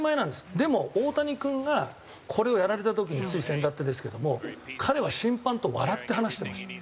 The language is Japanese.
でも大谷君がこれをやられた時についせんだってですけども彼は審判と笑って話してました。